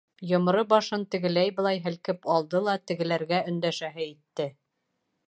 Йомро башын тегеләй-былай һелкеп алды ла, тегеләргә өндәшәһе итте.